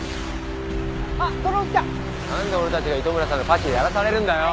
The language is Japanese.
なんで俺たちが糸村さんのパシリやらされるんだよ！